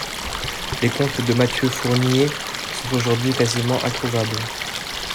Les contes de Mathieu Fournier sont aujourd'hui quasiment introuvables.